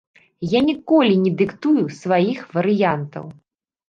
Я ніколі не дыктую сваіх варыянтаў.